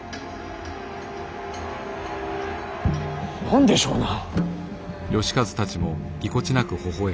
何でしょうな。